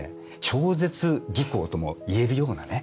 超絶技巧とも言えるようなね